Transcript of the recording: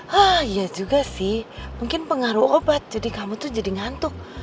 hah iya juga sih mungkin pengaruh obat jadi kamu tuh jadi ngantuk